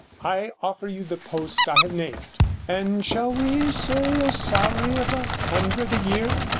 I offer you the post I have named, and shall we say a salary of a hundred a year?'